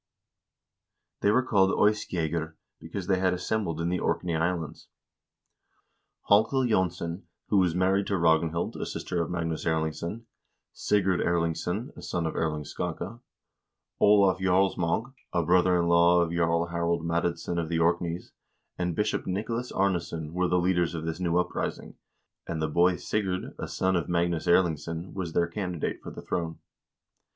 They were called "Eyskjegger," because they had assembled in the Orkney Islands. Hallkel Jonsson, who was married to Ragnhild, a sister of Magnus Erlingsson, Sigurd Erlingsson, a son of Erling Skakke, Olav Jarlsmaag, a brother in law of Jarl Harald Madadsson of the Orkneys, and Bishop Nicolas Arnesson were the leaders of this new uprising, and the boy Sigurd, a son of Magnus Erlingsson, was their candidate for the throne.